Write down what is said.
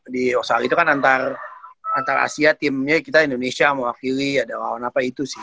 di australia itu kan antara asia timnya kita indonesia mewakili ada lawan apa itu sih